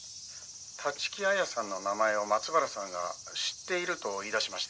「立木彩さんの名前を松原さんが知っていると言いだしまして」